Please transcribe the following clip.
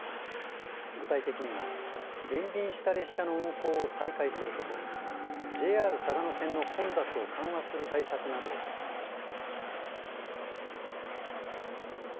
具体的には減便した列車の運行を再開することＪＲ嵯峨野線の混雑を緩和する対策などを求めました。